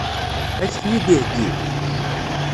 Ad k-ten-id-iheggi?